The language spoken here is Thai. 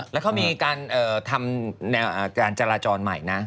แล้วเขามีการทำแนวการจราจรใหม่นะ